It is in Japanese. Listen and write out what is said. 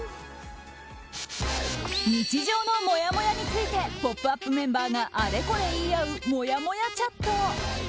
日常のもやもやについて「ポップＵＰ！」メンバーがあれこれ言い合うもやもやチャット。